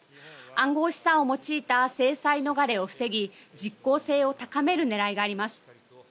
暗号資産を用いた制裁逃れを防ぎ実効性を高める狙いがあります。